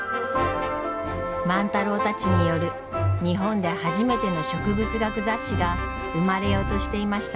万太郎たちによる日本で初めての植物学雑誌が生まれようとしていました。